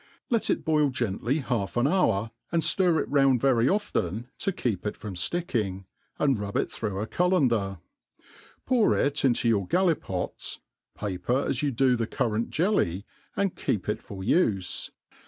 Let it boil gently half an hour, and ftir it round very often to keep it from fticking, and rub ft through a cullender; pour it into your gallipots,, paper as you do the currant jelly, and keep it for ufe.